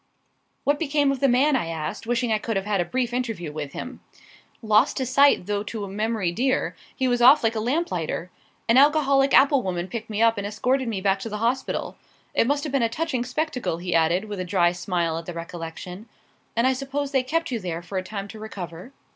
"What became of the man?" I asked, wishing I could have had a brief interview with him. "Lost to sight though to memory dear: he was off like a lamplighter. An alcoholic apple woman picked me up and escorted me back to the hospital. It must have been a touching spectacle," he added, with a dry smile at the recollection. "And I suppose they kept you there for a time to recover?"